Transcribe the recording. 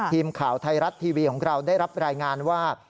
ทีมข่าวไทยรัฐทีวีของเราได้รับรายงานว่า